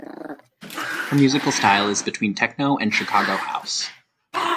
Her musical style is between techno and Chicago House.